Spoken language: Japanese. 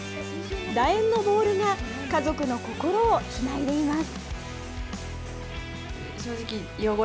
だ円のボールが、家族の心をつないでいます。